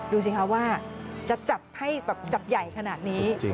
ดูสิคะว่าจะจัดให้แบบจัดใหญ่ขนาดนี้